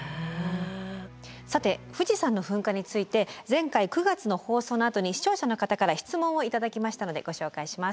さて富士山の噴火について前回９月の放送のあとに視聴者の方から質問を頂きましたのでご紹介します。